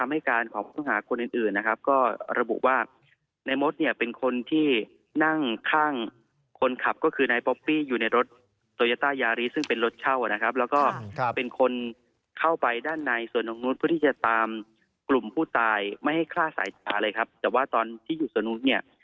ไม่ให้คล้าสายจาเลยครับแต่ว่าตอนที่อยู่สนุกนี้